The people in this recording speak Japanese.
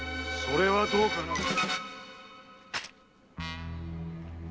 それはどうかな？